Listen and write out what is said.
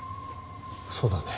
そうだね。